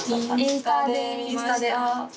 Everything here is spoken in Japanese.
・インスタで。